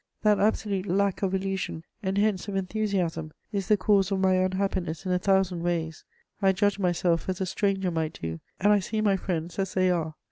That absolute lack of illusion, and hence of enthusiasm, is the cause of my unhappiness in a thousand ways. I judge myself as a stranger might do, and I see my friends as they are.